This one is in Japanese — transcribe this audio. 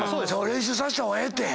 練習させた方がええって。